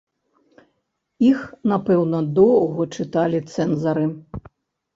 Іх, напэўна, доўга чыталі цэнзары.